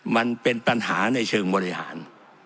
มันเป็นปัญหาในเชิงบริหาร